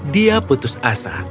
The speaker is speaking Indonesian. dia putus asa